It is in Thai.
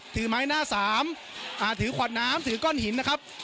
ถือไม้หน้าสามถือขวดน้ำถือก้อนหินนะครับ